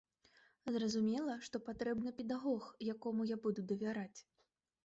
Зразумела, што патрэбны педагог, якому я буду давяраць.